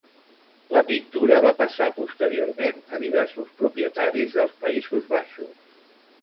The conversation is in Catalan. La pintura va passar posteriorment a diversos propietaris dels Països Baixos.